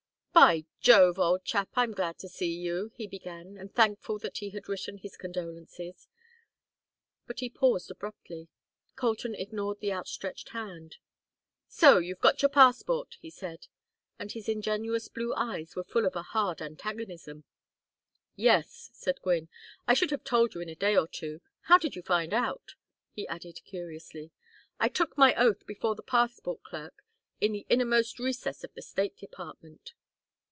"By Jove, old chap, I'm glad to see you," he began, and thankful that he had written his condolences; but he paused abruptly. Colton ignored the outstretched hand. "So you've got your passport?" he said. And his ingenuous blue eyes were full of a hard antagonism. "Yes," said Gwynne. "I should have told you in a day or two. How did you find out?" he added, curiously. "I took my oath before the passport clerk in the innermost recess of the State Department."